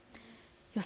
予想